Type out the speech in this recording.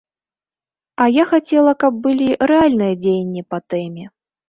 А я хацела, каб былі рэальныя дзеянні па тэме.